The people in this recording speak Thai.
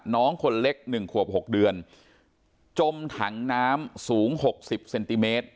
น้องคนเล็กหนึ่งขวบหกเดือนจมถังน้ำสูงหกสิบเซนติเมตร